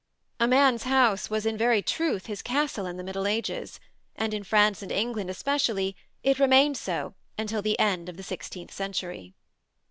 A man's house was in very truth his castle in the middle ages, and in France and England especially it remained so until the end of the sixteenth century.